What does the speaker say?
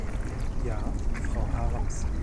Ja, Frau Harms.